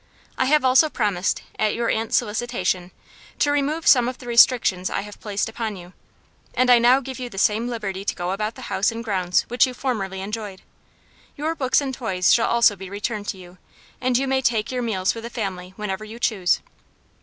I have also promised, at your aunt's solicitation, to remove some of the restrictions I have placed upon you, and I now give you the same liberty to go about the house and grounds which you formerly enjoyed. Your books and toys shall also be returned to you, and you may take your meals with the family whenever you choose."